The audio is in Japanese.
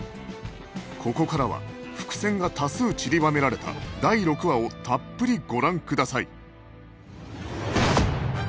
ここからは伏線が多数ちりばめられた第６話をたっぷりご覧ください